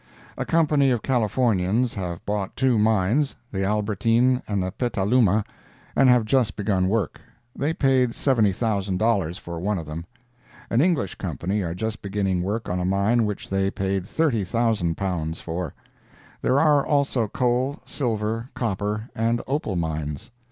A Company of Californians have bought two mines—the Albertin and Petaluma—and have just begun work. They paid $70,000 for one of them. An English Company are just beginning work on a mine which they paid £30,000 for. There are also coal, silver, copper and opal mines.